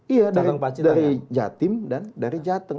iya dari jatim dan dari jateng